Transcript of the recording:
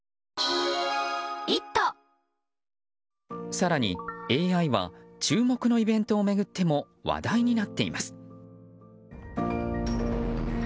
更にＡＩは注目のイベントを巡っても話題になっています。